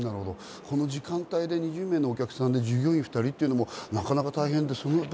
この時間帯で２０名のお客さんで従業員２人というのもなかなか大変。